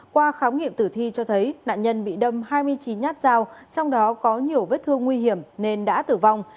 qua khám nghiệm tử thi cho thấy nạn nhân bị đâm hai mươi chín nhát dao trong đó có nhiều vết thương nguy hiểm nên đã tử vong